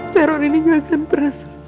teror ini gak akan berhasil